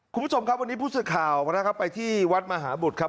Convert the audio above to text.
คุณผู้ชมครับวันนี้ผู้สื่อข่าวนะครับไปที่วัดมหาบุตรครับ